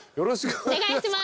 お願いします。